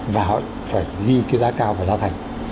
và họ phải ghi cái giá cao về giá thành